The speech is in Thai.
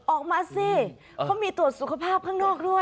ออกมาสิเขามีตรวจสุขภาพข้างนอกด้วย